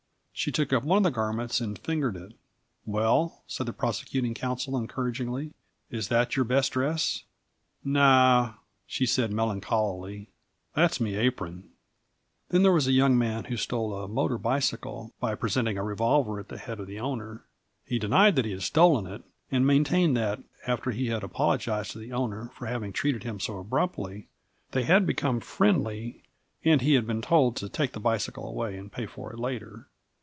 She took up one of the garments and fingered it. "Well," said the prosecuting counsel, encouragingly, "is that your best dress?" "Naoh," she said melancholily, "that's me ypron." Then there was a young man who stole a motor bicycle by presenting a revolver at the head of the owner. He denied that he had stolen it, and maintained that, after he had apologised to the owner "for having treated him so abruptly," they had become friendly and he had been told to take the bicycle away and pay for it later.